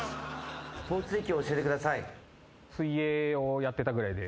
水泳をやってたぐらいで。